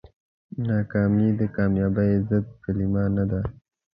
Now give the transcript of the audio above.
ناکامي د کامیابۍ ضد کلمه نه ده.